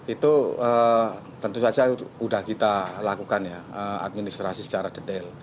itu tentu saja sudah kita lakukan ya administrasi secara detail